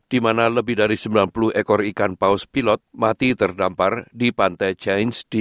di mana lebih dari sembilan puluh ekor ikan paus pilot mati terdampar di pantai chains